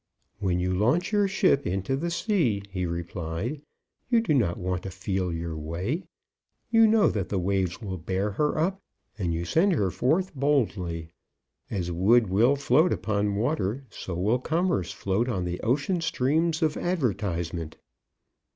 "When you launch your ship into the sea," he replied, "you do not want to feel your way. You know that the waves will bear her up, and you send her forth boldly. As wood will float upon water, so will commerce float on the ocean streams of advertisement."